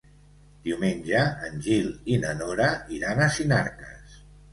Diumenge en Gil i na Nora iran a Sinarques.